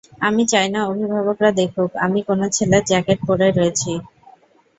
আমি চাই না অভিভাবকরা দেখুক, আমি কোনো ছেলের জ্যাকেট পরে রয়েছি।